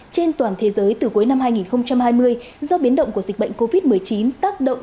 trên toàn thế giới từ cuối năm hai nghìn hai mươi do biến động của dịch bệnh covid một mươi chín tác động